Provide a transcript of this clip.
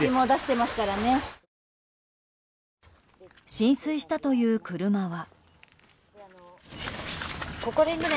浸水したという車は。